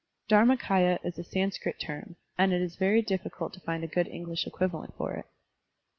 DharmaMya is a Sanskrit term, and it is very difficult to find a good English equivalent for it.